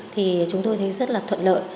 thì chúng tôi thấy rất là thuận lợi